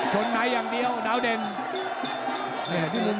ตอนนี้มันถึง๓